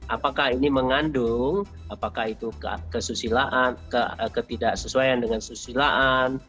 apakah ini mengandung apakah itu kesusilaan ketidaksesuaian dengan susilaan